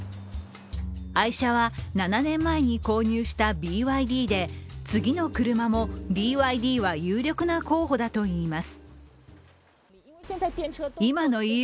愛車は７年前に購入したＢＹＤで次の車もＢＹＤは有力な候補だといいます。